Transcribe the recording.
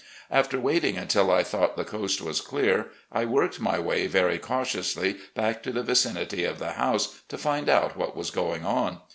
After waiting until I thought the coast was clear, I worked my way very cautiously back to the vicinity of the house to find out what was going on.